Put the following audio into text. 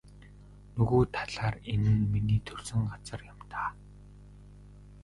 Нөгөө талаар энэ нь миний төрсөн газар юм даа.